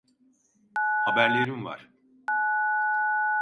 Haberlerim var.